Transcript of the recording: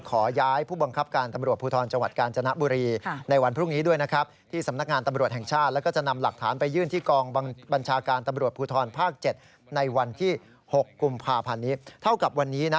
ขอย้ายผู้บังคับการตำรวจพูทรจังหวัดกาญจนบุรี